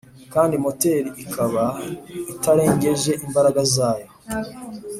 kandi moteri ikaba itarengeje imbaraga zayo